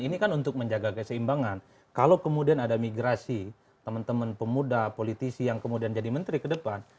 ini kan untuk menjaga keseimbangan kalau kemudian ada migrasi teman teman pemuda politisi yang kemudian jadi menteri ke depan